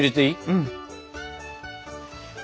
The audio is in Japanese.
うん。